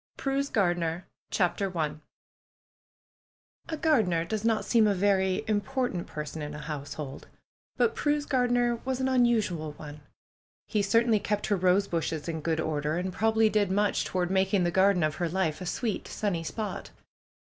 PRUE'S GARDENER CHAPTER I A GARDENER does not seem a very important person in a household; but Prue's gardener was an unusual one. He certainly kept her rose bushes in good order, and probably did much toward making the garden of her life a sweet, sunny spot.